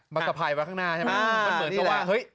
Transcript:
มากระพายไว้ข้างหน้าใช่ไหมอ่านี่แหละมันเหมือนกับว่าเฮ้ย